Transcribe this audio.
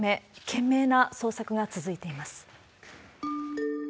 懸命な捜索が続いています。